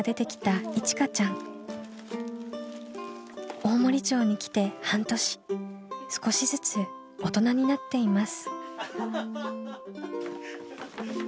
大森町に来て半年少しずつ大人になっています。